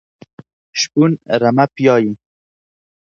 شپون رمه پیایي .